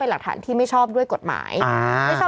พี่ขับรถไปเจอแบบ